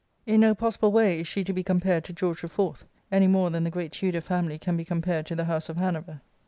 In no possible way is she to be compared to George, the Fourth, any more than the great Tudor family can be compared to the house of Hanover.